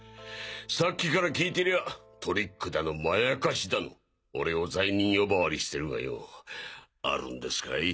さっきから聞いてりゃトリックだのまやかしだの俺を罪人呼ばわりしてるがよぉあるんですかい？